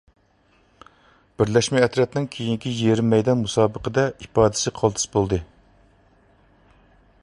بىرلەشمە ئەترەتنىڭ كېيىنكى يېرىم مەيدان مۇسابىقىدە ئىپادىسى قالتىس بولدى.